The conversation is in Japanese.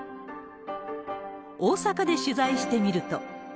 大阪で取材してみると。